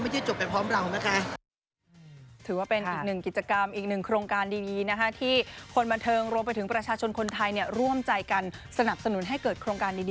ไม่เหนื่อยไม่มีท้อเลยค่ะไม่มีท้อเลยค่ะจะเจ็บแค่ไหนจะเหนื่อยแค่ไหน